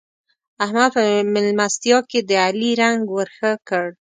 احمد په مېلمستيا کې د علي رنګ ور ښه کړ.